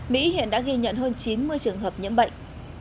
mỹ hiện đã ghi nhận hơn chín mươi trường hợp nhiễm bệnh